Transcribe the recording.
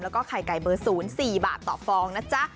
แล้วก็ไข่ไก่เบอร์๐๔บาทต่อฟองนะจ๊ะ